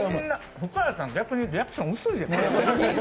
福原さん、逆にリアクション薄いですね。